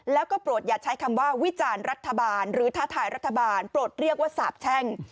แล้วก็โปรดอย่าใช้คำว่าวิจารณ์รัฐบาลหรือท้าทายรัฐบาลโปรดเรียกว่าสาบแช่ง